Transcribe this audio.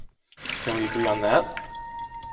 Can we agree on that?